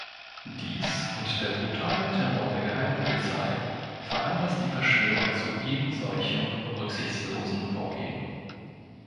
Dies und der brutale Terror der Geheimpolizei veranlasst die Verschwörer zu ebensolchem rücksichtslosen Vorgehen.